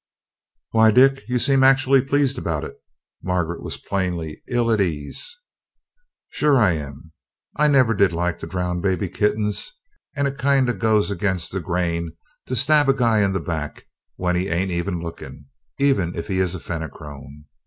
"Why, Dick, you seem actually pleased about it." Margaret was plainly ill at ease. "Sure am. I never did like to drown baby kittens, and it kinda goes against the grain to stab a guy in the back, when he ain't even looking, even if he is a Fenachrone.